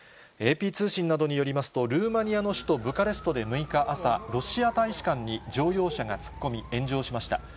ＡＰ通信などによりますと、ルーマニアの首都ブカレストで６日朝、ロシア大使館に乗用車が突っ込み、炎上しました。